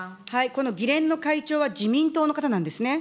この議連の会長は自民党の方なんですね。